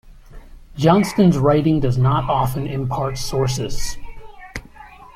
Johnston's writing does not often impart sources.